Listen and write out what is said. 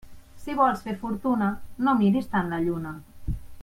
Si vols fer fortuna, no miris tant la lluna.